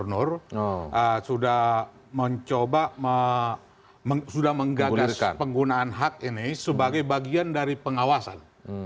gubernur sudah mencoba sudah menggagas penggunaan hak ini sebagai bagian dari pengawasan